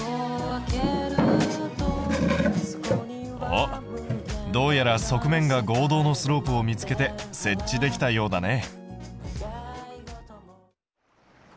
おっどうやら側面が合同のスロープを見つけて設置できたようだね。